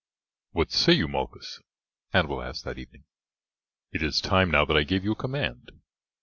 "What say you, Malchus?" Hannibal asked that evening. "It is time now that I gave you a command.